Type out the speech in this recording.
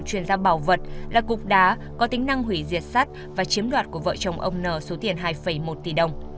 chuyển giao bảo vật là cục đá có tính năng hủy diệt sắt và chiếm đoạt của vợ chồng ông n số tiền hai một tỷ đồng